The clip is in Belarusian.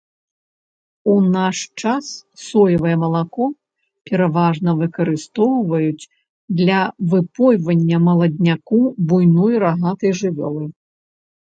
У наш час соевае малако пераважна выкарыстоўваюць для выпойвання маладняку буйной рагатай жывёлы.